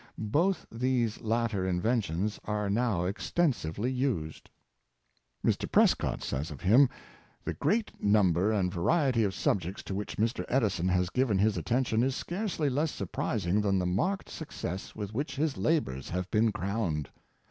Both these latter inventions are now extensively used. Mr. Prescott says of him: " The great number and variety of subjects to which Mr. Edison has given his attention is scarcely less surprising than the marked success with which his labors have been crowned.